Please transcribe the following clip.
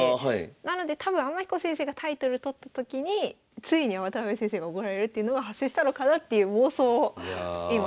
なので多分天彦先生がタイトル取った時についに渡辺先生がおごられるっていうのが発生したのかなっていう妄想を今。